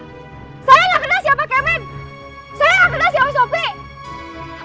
saya gak kena si osop